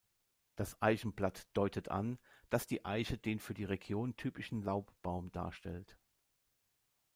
Das Eichenblatt deutet an, dass die Eiche den für die Region typischen Laubbaum darstellt.